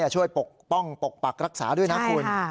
ช่วยปกป้องปกปักรักษาด้วยนะคุณ